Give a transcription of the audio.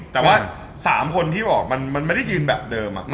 แต่ว่า๓คนที่บอกมันไม่ได้ยืนแบบเดิม